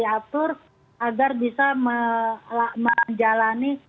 agar bisa menjalani